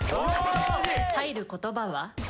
入る言葉は？